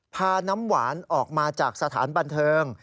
พาน้ำหวานออกมาจากสถานบันเทิง